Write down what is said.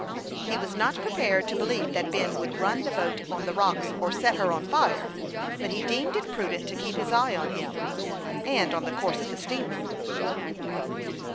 He was not prepared to believe that Ben would run the boat on the rocks, or set her on fire ; but he deemed it prudent to keep his eye on him, and on the course of the steamer.